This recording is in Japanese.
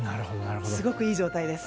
すごくいい状態です。